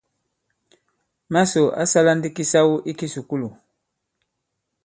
Màsò ǎ sālā ndī kisawo ī kisùkulù.